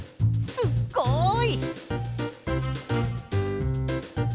すっごい！